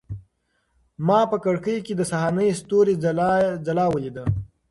ما په کړکۍ کې د سهارني ستوري ځلا ولیده.